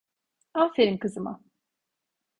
Aferin kızıma.